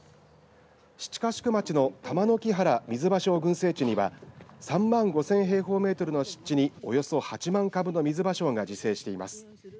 七ヶ宿町の玉ノ木原水芭蕉群生地には３万５０００平方メートルの湿地におよそ８万株のみずばしょうが自生しています。